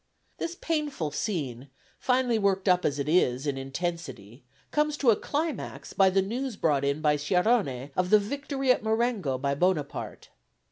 This painful scene, finely worked up as it is in intensity, comes to a climax by the news brought in by Sciarrone of the victory at Marengo by Bonaparte.